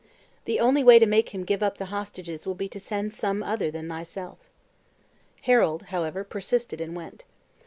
The only way to make him give up the hostages will be to send some other than thyself." Harold, however, persisted and went.